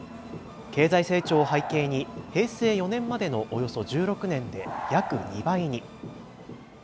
経済成長を背景に平成４年までのおよそ１６年で約２倍に。